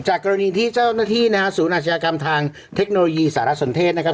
กรณีที่เจ้าหน้าที่นะฮะศูนย์อาชญากรรมทางเทคโนโลยีสารสนเทศนะครับ